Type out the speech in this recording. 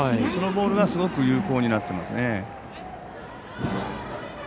そのボールがすごく有効になってますね。